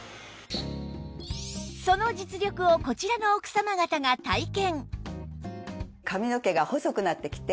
その実力をこちらの奥様方が体験